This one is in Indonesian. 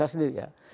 saya sendiri ya